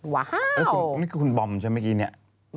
ว้าวว่าววโอ้วนี่คือคุณบอมใช่ไหมเนี้ย